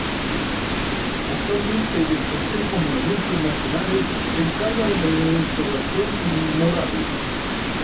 Actualmente el Consejo de Monumentos Nacionales se encarga de la restauración de los murales.